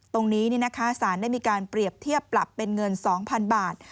ตรงนี้สารได้มีการเปรียบเทียบปรับเป็นเงิน๒๐๐๐บาท